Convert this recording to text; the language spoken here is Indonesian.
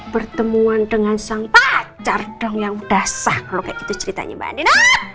pertemuan dengan sang pacar dong yang udah sah kalau kayak gitu ceritanya mbak nina